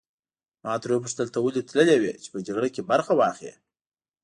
ما ترې وپوښتل ته ولې تللی وې چې په جګړه کې برخه واخلې.